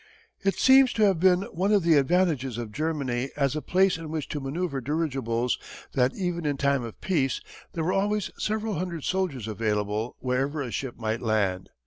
It seems to have been one of the advantages of Germany as a place in which to manoeuvre dirigibles, that, even in time of peace, there were always several hundred soldiers available wherever a ship might land.